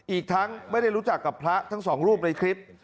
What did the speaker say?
อีกทั้งไม่ได้รู้จักกับพระทั้งสองรูปในคลิป